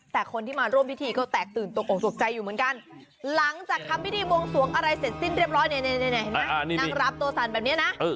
แต่คนที่มาร่วมพิธีก็แตกตื่นตกออกตกใจอยู่เหมือนกันหลังจากทำพิธีบวงสวงอะไรเสร็จสิ้นเรียบร้อยเนี่ยเห็นไหมนั่งรับตัวสั่นแบบนี้นะ